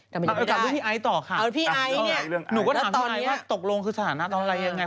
แต่มันยังไม่ได้เอาเรื่องพี่ไอต่อค่ะหนูก็ถามพี่ไอว่าตกลงคือสถานะตอนอะไรยังไง